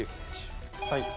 はい。